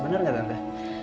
bener gak tante